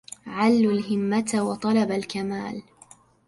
علو الهمة وطلب الكمال